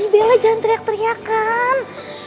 bella jangan teriak teriakan